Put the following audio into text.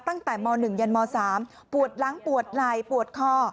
ตั้งแต่ม๑ยันม๓ปวดหลังปวดไหล่ปวดคอ